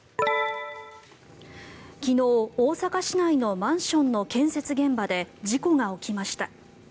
昨日、大阪市内のマンションの建設現場で事故が起きました。